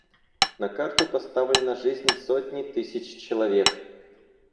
На карту поставлена жизнь сотни тысяч человек.